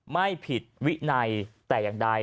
ไม่ผิดวินัยแต่อย่างใด